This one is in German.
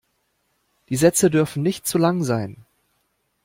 Die Sätze dürfen nicht zu lang sein.